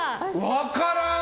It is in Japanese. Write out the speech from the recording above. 分からん！